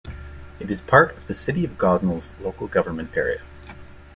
It is part of the City of Gosnells local government area.